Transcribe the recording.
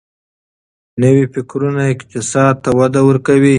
نوي فکرونه اقتصاد ته وده ورکوي.